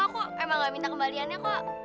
oh kok emang gak minta kembaliannya kok